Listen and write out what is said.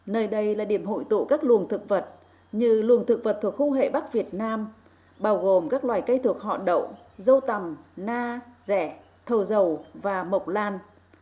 nơi đây là điểm hội tụ các luồng thực vật như luồng thực vật thuộc khung hệ bắc việt nam bao gồm các loài cây thuộc họ đậu dâu tằm na rẻ thầu dầu và mộc lan